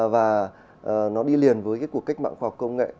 và nó đi liền với cuộc cách mạng khoa học công nghệ